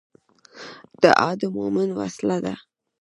دعا د مومن وسله ده